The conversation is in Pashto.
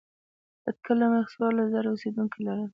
اټکل له مخې څوارلس زره اوسېدونکي لرل.